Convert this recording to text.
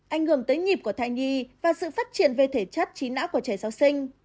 ảnh hưởng tới nhịp của thai nhi và sự phát triển về thể chất trí não của trẻ sau sinh